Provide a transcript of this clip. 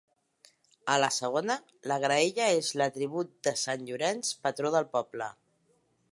A la segona, la graella és l'atribut de sant Llorenç, patró del poble.